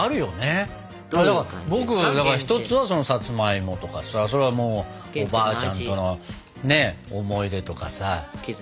僕一つはそのさつまいもとかさ。それはもうおばあちゃんとのね思い出とかさ。